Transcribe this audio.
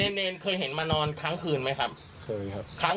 เน่นเคยเห็นมานอนครั้งคืนไหมครับ